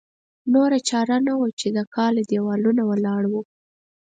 نوره چاره نه وه چې د کاله دېوالونه ولاړ وو.